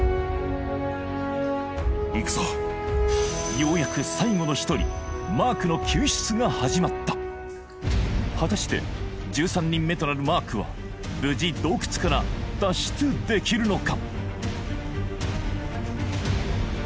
ようやくが始まった果たして１３人目となるマークは無事洞窟から脱出できるのか？